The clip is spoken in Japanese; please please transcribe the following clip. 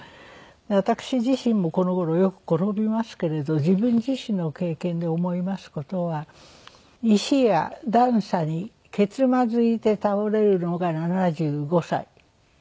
私自身もこの頃よく転びますけれど自分自身の経験で思います事は石や段差にけつまずいて倒れるのが７５歳。